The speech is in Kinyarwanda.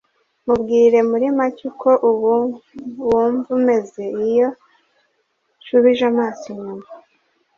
mubwire muri make uko ubu wumva umeze iyo nshubije amaso inyuma